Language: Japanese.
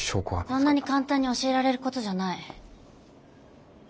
そんなに簡単に教えられることじゃない。